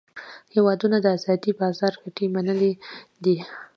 هیوادونو د آزاد بازار ګټې منلې دي